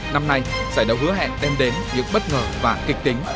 năm nay giải đấu hứa hẹn đem đến những bất ngờ và kịch tính